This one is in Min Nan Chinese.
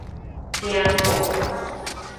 鼎 phok